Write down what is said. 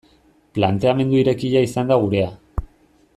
Planteamendu irekia izan da gurea.